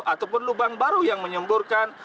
ataupun lubang baru yang menyemburkan